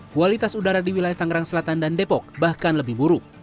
kualitas udara di wilayah tangerang selatan dan depok bahkan lebih buruk